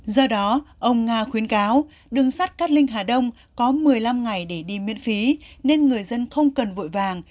do đó ông nga khuyến cáo đường sắt cát linh hà đông có một mươi năm ngày để đi miễn phí nên người dân không cần vội vàng